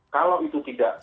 kalau itu tidak